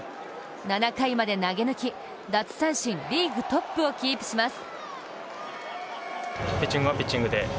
７回まで投げ抜き、奪三振リーグトップをキープします。